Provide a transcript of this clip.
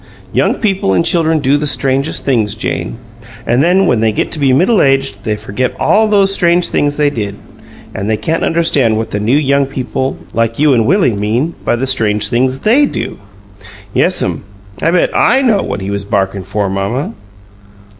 Young people and children do the strangest things, Jane! And then, when they get to be middle aged, they forget all those strange things they did, and they can't understand what the new young people like you and Willie mean by the strange things THEY do." "Yes'm. I bet I know what he was barkin' for, mamma."